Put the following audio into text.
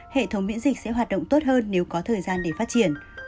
hệ thống miễn dịch sẽ hoạt động tốt hơn nếu có thời gian để phát triển